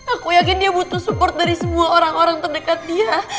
aku yakin dia butuh support dari semua orang orang terdekat dia